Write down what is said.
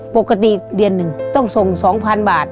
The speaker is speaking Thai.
ปกติเดือนหนึ่งต้องส่ง๒๐๐๐บาท